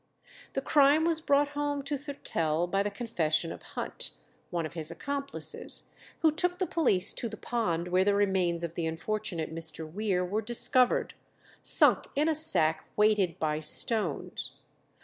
The crime was brought home to Thurtell by the confession of Hunt, one of his accomplices, who took the police to the pond, where the remains of the unfortunate Mr. Weare were discovered, sunk in a sack weighted by stones.